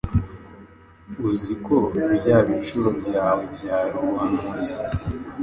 Uzi ko bya bicuro byawe byari ubuhanuzi!